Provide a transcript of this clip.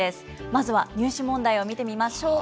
まずは入試問題を見てみましょう。